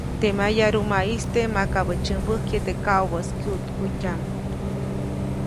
Teʼ mayarumaʼiste makabäʼ tsyämbäjkye teʼ kaʼubäʼis kyuʼtkutyaʼm.